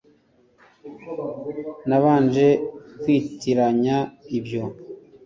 nabanje kwitiranya ibyo